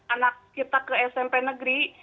anak kita ke smp negeri